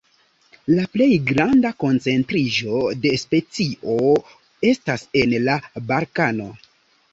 La plej granda koncentriĝo de specio estas en la Balkano.